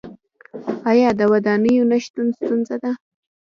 آیا د ودانیو نشتون ستونزه ده؟